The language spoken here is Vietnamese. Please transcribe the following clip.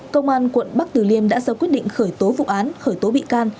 công an quận bắc tử liêm đã do quyết định khởi tố vụ án khởi tố bị can